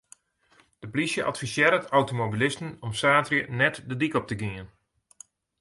De plysje advisearret automobilisten om saterdei net de dyk op te gean.